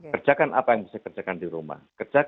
kerjakan apa yang bisa kerjakan di rumah